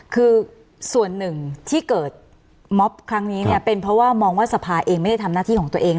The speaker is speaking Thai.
คือส่วนหนึ่งที่เกิดม็อบครั้งนี้เนี่ยเป็นเพราะว่ามองว่าสภาเองไม่ได้ทำหน้าที่ของตัวเอง